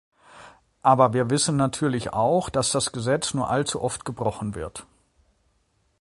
Aber wir wissen natürlich auch, dass das Gesetz nur allzu oft gebrochen wird.